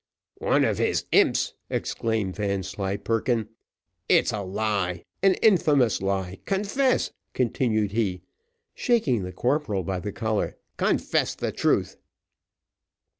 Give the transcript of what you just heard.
"One of his imps," exclaimed Vanslyperken; "it's a lie an infamous lie, confess," continued he, shaking the corporal by the collar "confess the truth."